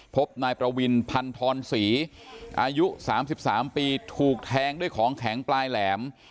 พบนายประวินพันธรศรีอายุ๓๓ปีถูกแทงด้วยของแข็งปลายแหลม